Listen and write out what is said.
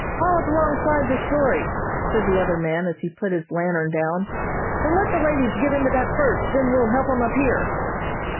"Haul up alongside this dory," said the other man as he put his lantern down, "and let the ladies get into that first, then we'll help 'em up here."